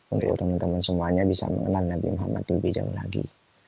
untuk teman teman semuanya bisa mengenal nabi muhammad lebih jauh lagi